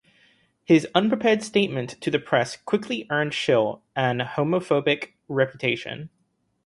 His unprepared statement to the press quickly earned Schill an homophobic reputation.